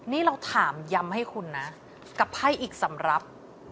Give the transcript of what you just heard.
นี่เราถามย้ำให้คุณนะกับไพ่อีกสำหรับ